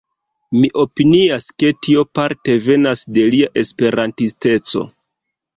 Mi opinias, ke tio parte venas de lia Esperantisteco